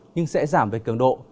nhưng sẽ giảm về cường độ